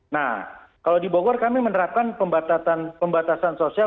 nah kalau di bogor kami menerapkan pembatasan sosial